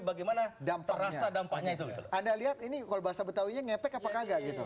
bagaimana dampak rasa dampaknya itu ada lihat ini kol basah betawinya ngepek apa kagak gitu